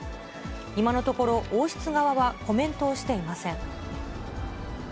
今のところ、王室側はコメントをしていません。